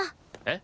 え？